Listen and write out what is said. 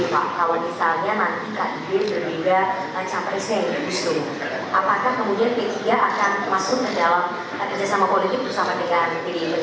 kalau misalnya nanti kid berbeda sampai sehingga bisu apakah kemudian dpp p tiga akan masuk ke dalam kerjasama politik bersama dengan dpp p tiga dan meninggalkan kid